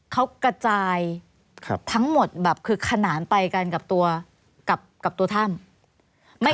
เขากระจายทั้งหมดขนานกับตัวถ้าม